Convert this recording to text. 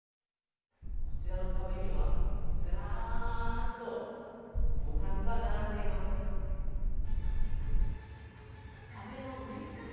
こちらの壁には、ずらーっとボタンが並んでいます。